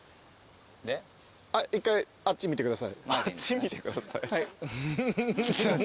あっち見てください？